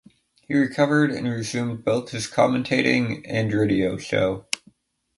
He recovered, and resumed both his commentating and radio show.